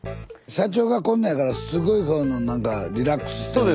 社長がこんなんやからすごいなんかリラックスしてる。